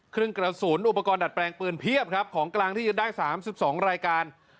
เครื่องกระสุนอุปกรณ์ดัดแปลงปืนเพียบครับของกลางที่ยึดได้๓๒รายการ